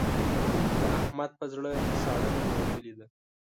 د احمد په زړه ساړه ننوتلې ده.